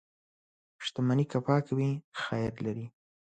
• شتمني که پاکه وي، خیر لري.